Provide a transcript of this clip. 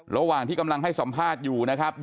ระหว่างที่กำลังให้สัมภาษณ์อยู่นะครับ